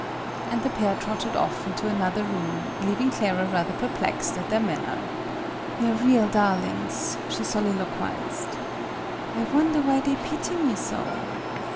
And the pair trotted off into another room, leaving Clara rather perplexed at their manner. "They're real darlings!" she soliloquised. "I wonder why they pity me so!"